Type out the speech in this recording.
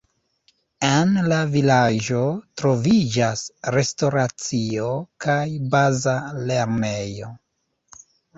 En la vilaĝo troviĝas restoracio kaj baza lernejo.